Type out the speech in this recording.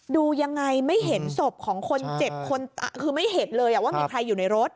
ดูยังไงไม่เห็นศพของคนเจ็บคนคือไม่เห็นเลยว่ามีใครอยู่ในรถ